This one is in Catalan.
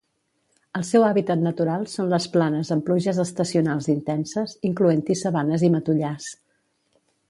El seu hàbitat natural són les planes amb pluges estacionals intenses, incloent-hi sabanes i matollars.